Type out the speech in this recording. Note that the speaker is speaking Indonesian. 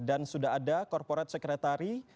sudah ada korporat sekretari